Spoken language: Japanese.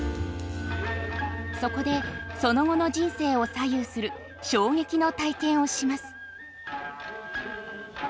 そこでその後の人生を左右する衝撃の体験をします。